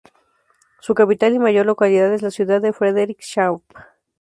Su capital y mayor localidad es la ciudad de Frederikshavn.